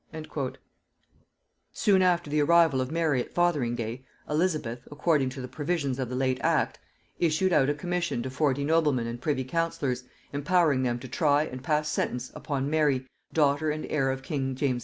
Soon, after the arrival of Mary at Fotheringay, Elizabeth, according to the provisions of the late act, issued out a commission to forty noblemen and privy councillors, empowering them to try and pass sentence upon Mary daughter and heir of king James V.